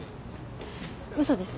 嘘です。